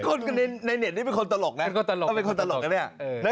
คนในเน็ตนี้เป็นคนตลกนะต้องเป็นคนตลกนะเนี่ย